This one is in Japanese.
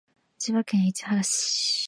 千葉県市原市